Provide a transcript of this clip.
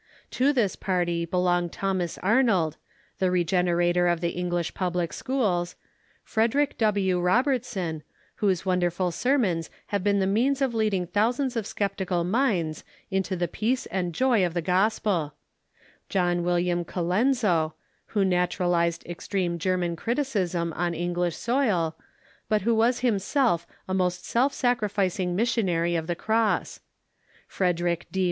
To this party belong Thomas Arnold, the regenerator of the English public schools ; Frederic W. Rob ertson, whose wonderful sermons have been the means of lead ing thousands of sceptical minds into the peace and joy of the gospel ; John "William Colenso, who naturalized extreme German criticism on English soil, but who was himself a most self sacrificing missionary of the cross ; Frederick D.